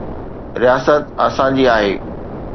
رياست اسان جي آهي.